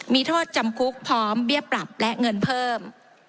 มีโทษจำคุกพร้อมเบี้ยปรับและเงินเพิ่ม